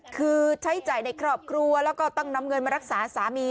คือใช้จ่ายในครอบครัวแล้วก็ต้องนำเงินมารักษาสามี